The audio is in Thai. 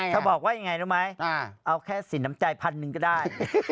เธอบอกว่าอย่างไรรู้ไหมเอาแค่ศีลน้ำจ่ายพันธุ์หนึ่งก็ได้